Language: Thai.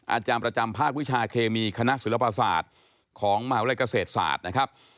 อาจารย์ประจำภาควิชาเคมีคณะศิลปศาสตร์ของมหาวิทยาลัยเกษตรศาสตร์นะครับ